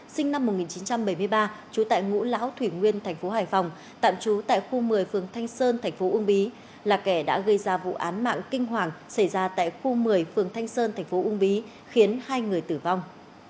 sinh năm một nghìn chín trăm bảy mươi ba trú tại ngũ lão thủy nguyên tp hải phòng tạm trú tại khu một mươi phường thanh sơn tp ung bí là kẻ đã gây ra vụ án mạng kinh hoàng xảy ra tại khu một mươi phường thanh sơn tp ung bí khiến hai người tử vong